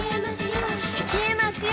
「消えますよ」